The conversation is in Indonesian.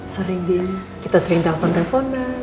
sering sering kita sering telfon telefonan